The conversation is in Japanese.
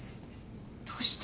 どうして？